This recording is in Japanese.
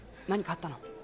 何かあったの？